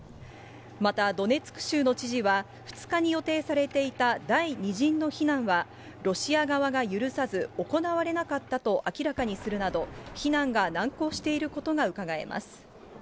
またドネツク州の知事は、２日に予定されていた第２陣の避難はロシア側が許さず、行われなかったと明らかにするなど、避難が難航していることがうかがえます。